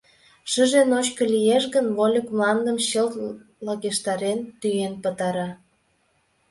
Шыже ночко лиеш гын, вольык мландым чылт лакештарен, тӱэн пытара.